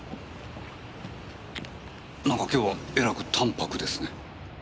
なんか今日はえらく淡白ですね。